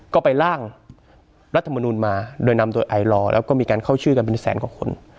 ก็ไปล่างรัฐมนูลมาด้วยนำโดยไอนรรก็มีการเข้าชื่อกลางในแสนกว่าคน